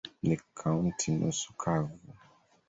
Ni kaunti nusu kavu.